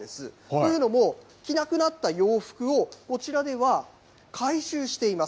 というのも、着なくなった洋服をこちらでは、回収しています。